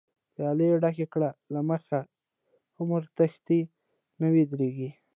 پيالی ډکې کړه له مخی، عمر تښتی نه ودريږی